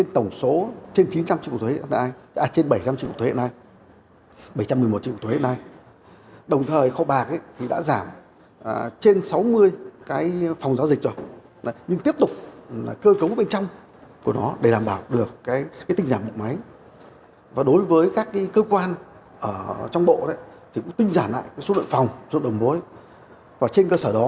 tổng cục thuế cấp tổ đội tại địa phương